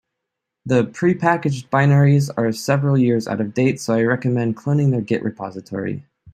The prepackaged binaries are several years out of date, so I recommend cloning their git repository.